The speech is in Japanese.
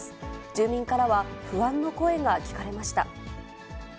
住民からは不安の声が聞かれました。